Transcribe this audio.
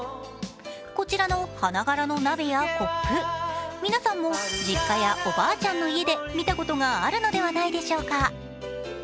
こちらの花柄の鍋やコップ、皆さんも実家やおばあちゃんの家で見たことがあるのではないでしょうか。